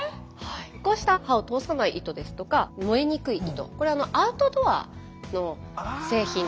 こうした刃を通さない糸ですとか燃えにくい糸これはアウトドアの製品などに。